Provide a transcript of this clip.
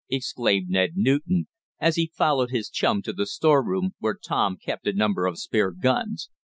exclaimed Ned Newton, as he followed his chum to the storeroom, where Tom kept a number of spare guns.